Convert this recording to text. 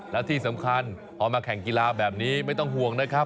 และที่สำคัญพอมาแข่งกีฬาแบบนี้ไม่ต้องห่วงนะครับ